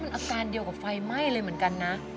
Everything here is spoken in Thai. อาการเดียวกับไฟไหม้เลยเหมือนกันนะ